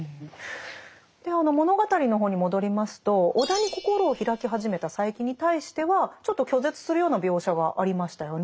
で物語の方に戻りますと尾田に心を開き始めた佐柄木に対してはちょっと拒絶するような描写がありましたよね。